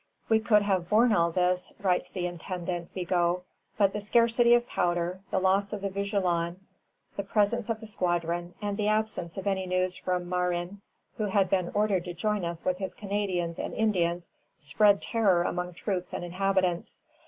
"We could have borne all this," writes the Intendant, Bigot; "but the scarcity of powder, the loss of the 'Vigilant,' the presence of the squadron, and the absence of any news from Marin, who had been ordered to join us with his Canadians and Indians, spread terror among troops and inhabitants.